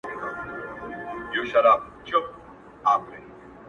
چي ژوندی وي د سړي غوندي به ښوري!